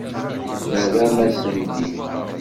Terram-asen-t-id.